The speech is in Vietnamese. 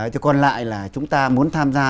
thì còn lại là chúng ta muốn tham gia